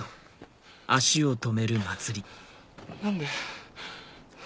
何で？